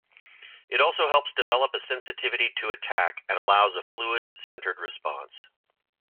It also helps develop a sensitivity to attack and allows a fluid, centred response.